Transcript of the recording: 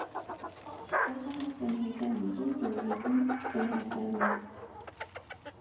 好彩我剩係間唔中做義工對下細路